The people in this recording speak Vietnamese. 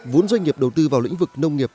vốn doanh nghiệp đầu tư vào lĩnh vực nông nghiệp